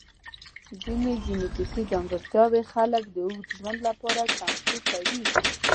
ځینې جنیټیکي ځانګړتیاوې خلک د اوږد ژوند لپاره چمتو کوي.